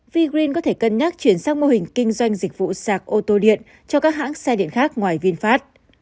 vi green có thể cân nhắc chuyển sang mô hình kinh doanh dịch vụ sạc ô tô điện cho các hãng xe điện khác ngoài vinfast